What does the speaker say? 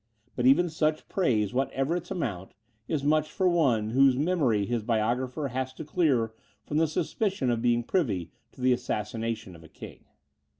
But even such praise, whatever its amount, is much for one, whose memory his biographer has to clear from the suspicion of being privy to the assassination of a king.